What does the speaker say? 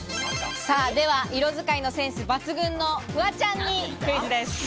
では色使いのセンス抜群のフワちゃんにクイズです。